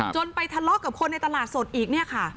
จนไปทะเลาะกับคนในตลาดสดอีก